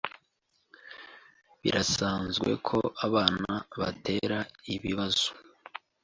Birasanzwe ko abana batera ibibazo.